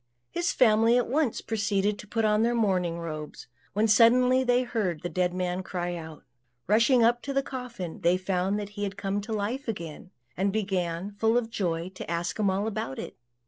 His family at once proceeded to put on their mourning robes, when suddenly they heard the dead man cry out. Rushing up to the coffin, they found that he had come to life again; and began, full of joy, to ask him all about it.